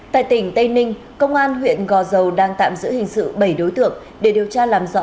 tại tỉnh tây ninh công an huyện gò dầu đang tạm giữ hình sự bảy đối tượng để điều tra làm rõ